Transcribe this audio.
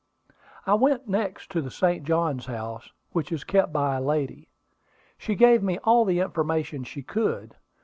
I went next to the St. Johns House, which is kept by a lady. She gave me all the information she could.